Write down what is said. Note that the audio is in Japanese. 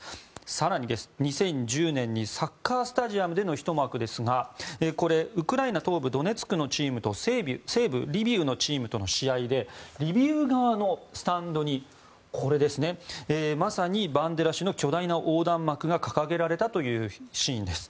更に、２０１０年にサッカースタジアムでのひと幕ですがウクライナ東部ドネツクのチームと西部リビウのチームとの試合でリビウ側のスタンドにまさにバンデラ氏の巨大な横断幕が掲げられたというシーンです。